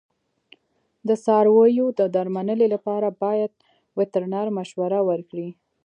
د څارویو د درملنې لپاره باید وترنر مشوره ورکړي.